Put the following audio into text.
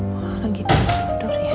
wah lagi tidur ya